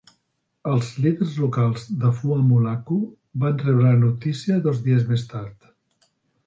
Els líders locals de Fua Mulaku van rebre la notícia dos dies més tard.